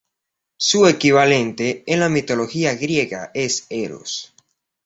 Su equivalente en la mitología griega es Eros.